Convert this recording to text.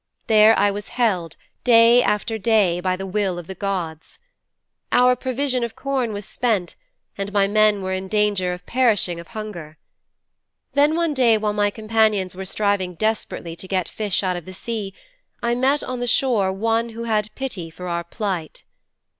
There I was held, day after day, by the will of the gods. Our provision of corn was spent and my men were in danger of perishing of hunger. Then one day while my companions were striving desperately to get fish out of the sea, I met on the shore one who had pity for our plight.